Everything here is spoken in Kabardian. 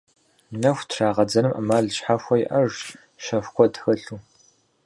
Нэху трегъэдзэным ӏэмал щхьэхуэ иӏэжщ, щэху куэд хэлъу.